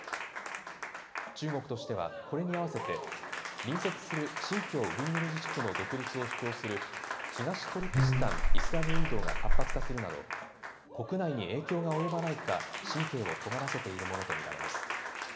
中国としてはこれに合わせて、隣接する新疆ウイグル自治区の独立を主張する、東トルキスタン・イスラム運動が活発化するなど、国内に影響が及ばないか、神経をとがらせているものと見られます。